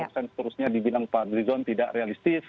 seterusnya dibilang pak fadly lizon tidak realistis